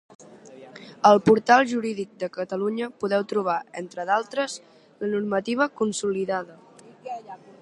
Al Portal Jurídic de Catalunya podeu trobar, entre d'altres, la normativa consolidada.